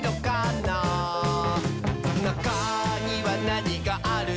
「なかにはなにがあるのかな？」